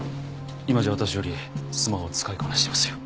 今じゃ私よりスマホを使いこなしてますよ。